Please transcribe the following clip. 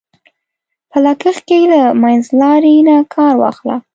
په لګښت کې له منځلارۍ نه کار واخله.